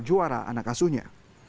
juara anak asuhnya